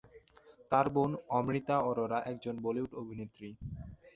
তার বোন অমৃতা অরোরা একজন বলিউড অভিনেত্রী।